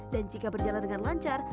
jika berjalan dengan lancar